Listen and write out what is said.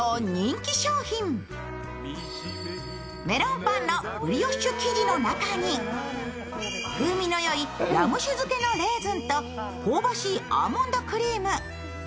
メロンパンのブリオッシュ生地の中に風味の良いラム酒漬けのレーズンと香ばしいアーモンドクリーム。